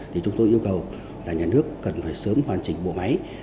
thì chúng tôi yêu cầu là nhà nước cần phải sớm hoàn chỉnh bộ máy